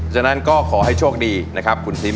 ฉะนั้นก็ขอให้โชคดีนะครับคุณซิม